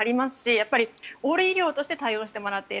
やっぱりオール医療として対応してもらっている。